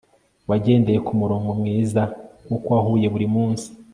wagendeye kumurongo mwiza nkuko wahuye burimunsi